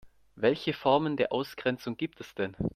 Welche Formen der Ausgrenzung gibt es denn?